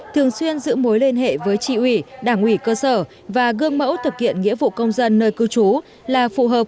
thường xuyên giữ mối liên hệ với trị ủy đảng ủy cơ sở và gương mẫu thực hiện nghĩa vụ công dân nơi cư trú